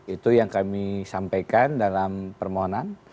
itu yang kami sampaikan dalam permohonan